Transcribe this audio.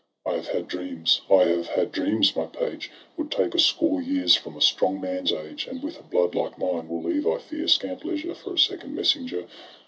— I have had dreams, I have had dreams, my page, Would take a score years from a strong man's age; And with a blood like mine, will leave, I fear. Scant leisure for a second messenger.